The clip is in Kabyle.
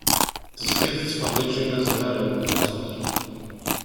Tezga tettferrij imazraren n Tterk.